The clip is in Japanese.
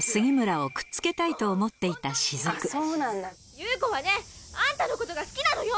夕子はねあんたのことが好きなのよ。